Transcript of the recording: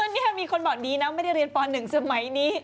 นี่มีคนบอกดีนะไม่ได้เรียนป๑สมัยนี้